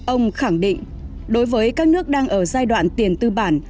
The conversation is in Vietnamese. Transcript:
ông khẳng định đối với các nước đang ở giai đoạn tiền tư bản